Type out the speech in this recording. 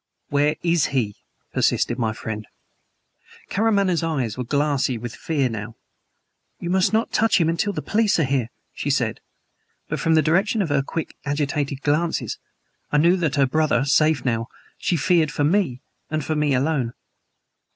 "Where is he?" persisted my friend. Karamaneh's eyes were glassy with fear now. "You must not touch him until the police are here," she said but from the direction of her quick, agitated glances I knew that, her brother safe now, she feared for me, and for me alone.